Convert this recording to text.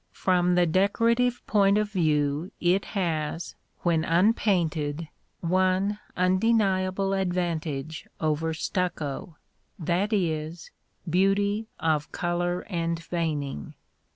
From the decorative point of view it has, when unpainted, one undeniable advantage over stucco that is, beauty of color and veining.